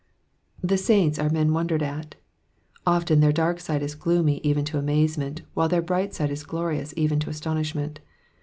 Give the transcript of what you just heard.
The saints are men wondered at ; often their daik side is gloomy even to amazement, while their bright side is glorious even to astonishment.